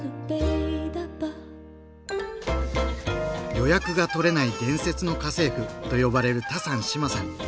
「予約がとれない伝説の家政婦」と呼ばれるタサン志麻さん。